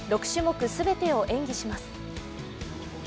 ６種目全てを演技します。